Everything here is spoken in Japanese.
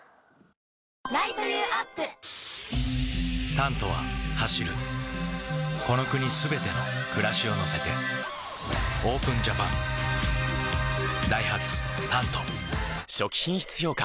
「タント」は走るこの国すべての暮らしを乗せてＯＰＥＮＪＡＰＡＮダイハツ「タント」初期品質評価